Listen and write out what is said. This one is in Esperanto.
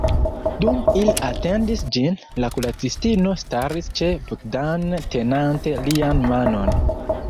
Dum ili atendis ĝin, la kuracistino staris ĉe Bogdan, tenante lian manon.